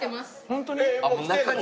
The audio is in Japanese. ホントに？